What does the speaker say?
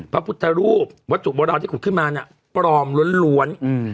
พระพุทธรูปวัตถุโบราณที่ขุดขึ้นมาน่ะปลอมล้วน